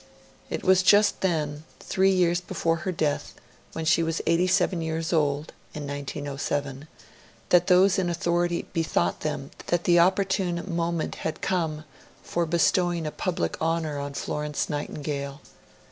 It was just then, three years before her death, when she was eighty seven years old (1907), that those in authority bethought them that the opportune moment had come for bestowing a public honour on Florence Nightingale.